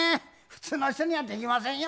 普通の人にはできませんよ。